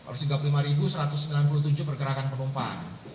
empat ratus tiga puluh lima ribu satu ratus sembilan puluh tujuh pergerakan penumpang